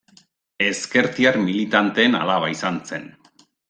Ezkertiar militanteen alaba izan zen.